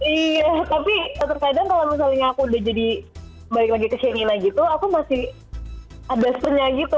iya tapi terkadang kalau misalnya aku udah jadi balik lagi ke shenina gitu aku masih ada sp nya gitu